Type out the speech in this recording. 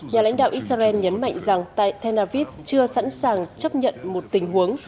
nhà lãnh đạo israel nhấn mạnh rằng tại tel aviv chưa sẵn sàng chấp nhận một tình huống